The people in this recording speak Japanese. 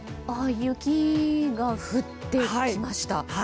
雪が降ってきました。